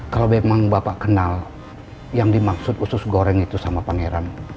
kalau memang bapak kenal yang dimaksud usus goreng itu sama pangeran